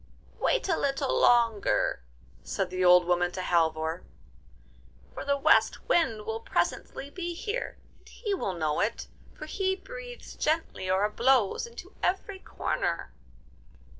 'Wait a little longer,' said the old woman to Halvor, 'for the West Wind will presently be here, and he will know it, for he breathes gently or blows into every corner.